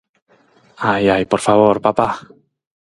Ai, ai, por favor..., papá...